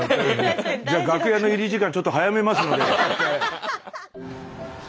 じゃ楽屋の入り時間ちょっと早めますので。